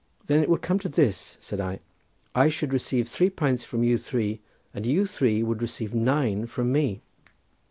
"Then it would come to this," said I, "I should receive three pints from you three, and you three would receive nine from me."